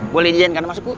boleh izinkan masuk bu